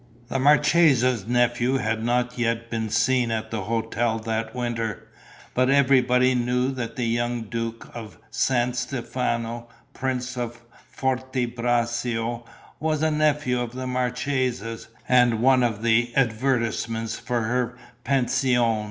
The marchesa's nephew had not yet been seen at the hotel that winter, but everybody knew that the young Duke of San Stefano, Prince of Forte Braccio, was a nephew of the marchesa's and one of the advertisements for her pension.